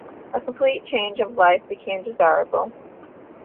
A complete change of life became desirable.